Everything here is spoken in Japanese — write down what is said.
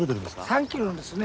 ３キロですね。